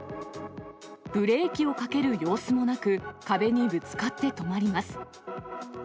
ブレーキをかける様子もなく、壁にぶつかって止まります。